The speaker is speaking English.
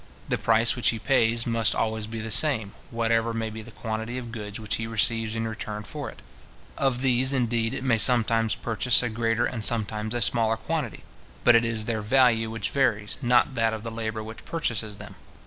The price which he pays must always be the same, whatever may be the quantity of goods which he receives in return for it. Of these, indeed, it may sometimes purchase a greater and sometimes a smaller quantity; but it is their value which varies, not that of the labour which purchases them.